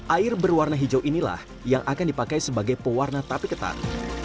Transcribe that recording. air berwarna hijau inilah yang akan dipakai sebagai pewarna tape ketan